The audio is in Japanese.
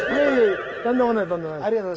とんでもないとんでもない。